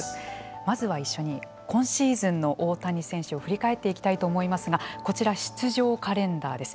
まずは一緒に今シーズンの大谷選手を振り返っていきたいと思いますがこちら、出場カレンダーです。